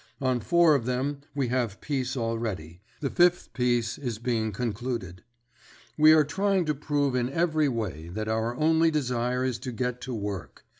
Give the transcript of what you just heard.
On four of them we have peace already; the fifth peace is being concluded. We are trying to prove in every way that our only desire is to get to work.